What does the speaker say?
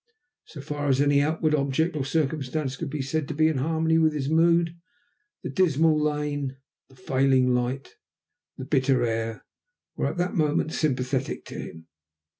So far as any outward object or circumstance could be said to be in harmony with his mood, the dismal lane, the failing light, the bitter air, were at that moment sympathetic to him.